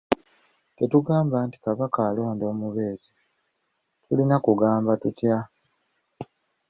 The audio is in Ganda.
Tetugamba nti Kabaka alonda omubeezi, tulina kugamba tutya?